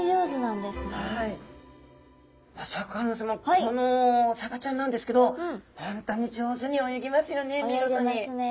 このサバちゃんなんですけど本当に上手に泳ぎますよね